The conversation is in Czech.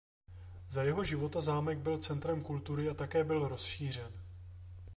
Za jeho života zámek byl centrem kultury a také byl rozšířen.